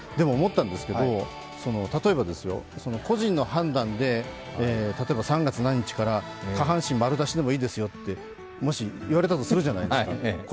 でも例えば、個人の判断で３月何日から下半身丸出しでもいいですよと、もし言われたとするじゃないですか。